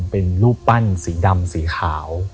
เป็นรูปปั้นสีดำสีขาว